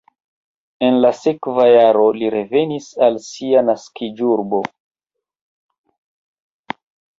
En la sekva jaro li revenis al sia naskiĝurbo.